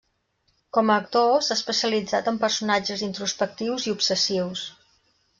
Com a actor, s'ha especialitzat en personatges introspectius i obsessius.